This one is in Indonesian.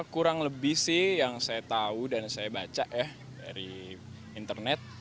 kurang lebih sih yang saya tahu dan saya baca ya dari internet